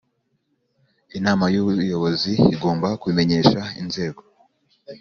Inama y Ubuyobozi igomba kubimenyesha inzego